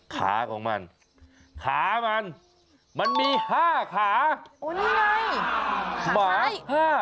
ขาของมันขามันมันมีห้าขาโอ้นี่ไงหมาที่ห้า